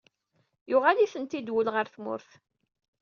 Yuɣal-itent-id wul ɣer tmurt.